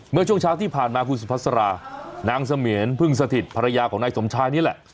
เมื่อช่วงเช้าที่ผ่านมาคุณสุภาษานางเสมียนพึ่งสถิตภรรยาของนายสมชายนี่แหละ